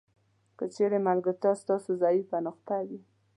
که چیرې ملګرتیا ستاسو ضعیفه نقطه وي.